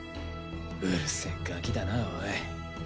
うるせぇガキだなおい。